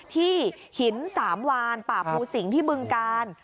ที่หินสามวานป่าภูสิงที่บึงกาล